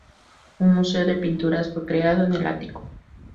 Un museo de pinturas fue creado en el ático.